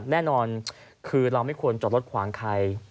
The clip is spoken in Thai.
แน่นอนคือเราไม่ควรจอดรถขวางใคร